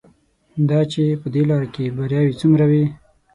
دا چې په دې لاره کې بریاوې څومره وې.